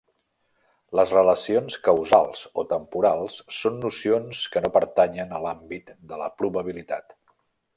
Les relacions causals o temporals són nocions que no pertanyen a l'àmbit de la probabilitat.